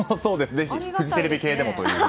ぜひフジテレビ系でもと。